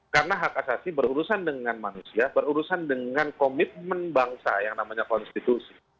karena hak asasi berurusan dengan manusia berurusan dengan komitmen bangsa yang namanya konstitusi